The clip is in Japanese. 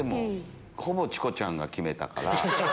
ほぼチコちゃんが決めたから。